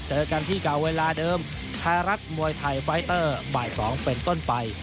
เจอกันที่เก่าเวลาเดิมไทยรัฐมวยไทยไฟเตอร์บ่าย๒เป็นต้นไป